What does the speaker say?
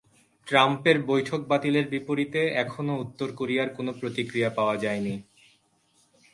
ট্রাম্পের বৈঠক বাতিলের বিপরীতে এখনো উত্তর কোরিয়ার কোনো প্রতিক্রিয়া পাওয়া যায়নি।